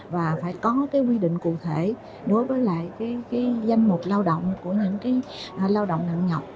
và phải có cái quy định cụ thể đối với lại danh mục lao động của những lao động nặng nhọc